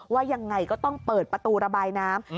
ว่ายังไงก็ต้องเปิดประตูระบายน้ำ